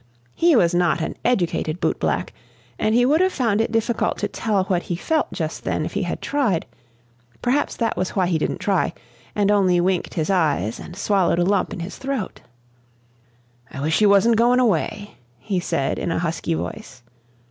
He was not an educated boot black, and he would have found it difficult to tell what he felt just then if he had tried; perhaps that was why he didn't try, and only winked his eyes and swallowed a lump in his throat. "I wish ye wasn't goin' away," he said in a husky voice.